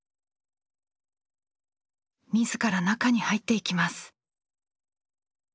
自ら中に入っていきます。